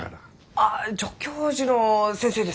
あ助教授の先生ですか！